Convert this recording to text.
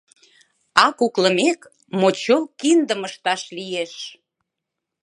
А куклымек, мочол киндым ышташ лиеш!